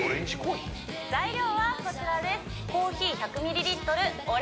材料はこちらです